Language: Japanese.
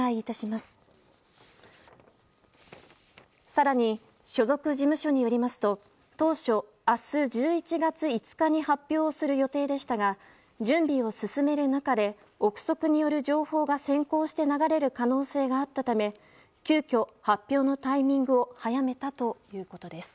更に所属事務所によりますと当初、明日１１月５日に発表する予定でしたが準備を進める中で憶測による情報が先行して流れる可能性があったため急きょ発表のタイミングを早めたということです。